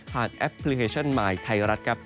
แอปพลิเคชันมายไทยรัฐครับ